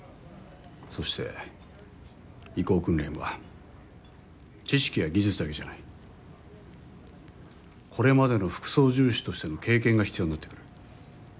そして移行訓練は知識や技術だけじゃないこれまでの副操縦士としての経験が必要になってくる。